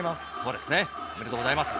おめでとうございます。